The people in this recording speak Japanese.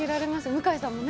向井さんもね？